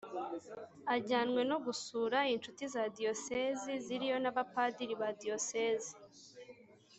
ajyanwe no gusura incuti za diyosezi ziriyo, n’abapadiri ba diyosezi